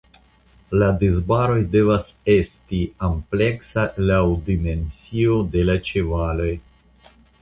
La disbaroj devas esti ampleksa laŭ dimensio de la ĉevaloj.